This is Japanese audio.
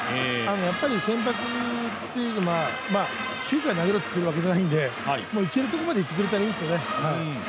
やっぱり先発っていうのは９回投げろってわけじゃないんでいけるところまでいってくれたらいいんですよね。